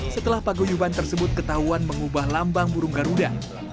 setelah paguyuban tersebut ketahuan mengubah lambang burung garuda